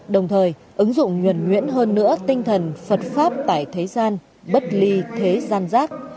đồng thời ứng dụng nhuẩn nhuyễn hơn nữa tinh thần phật pháp tải thế gian bất ly thế gian giác